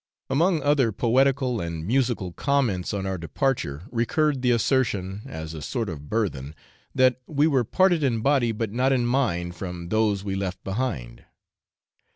Among other poetical and musical comments on our departure recurred the assertion, as a sort of burthen, that we were 'parted in body, but not in mind,' from those we left behind.